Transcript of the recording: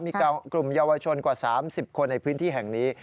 มีกลุ่มเยาวชนกว่า๓๐คนในพื้นที่แห่งนี้